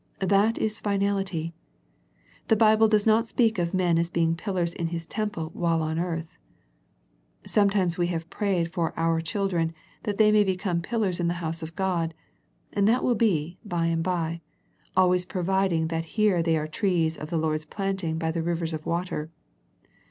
That is finality. The Bible does not speak of men as being pillars in His temple while on earth. Sometimes we have prayed for our children that they may become pillars in the house of God, and that will be, by and by, always providing that here they are trees of the Lord's planting by the rivers of water.